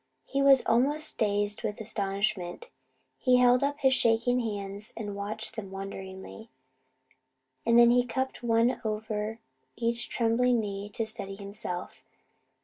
He was almost dazed with astonishment. He held up his shaking hands, and watched them wonderingly, and then cupped one over each trembling knee to steady himself.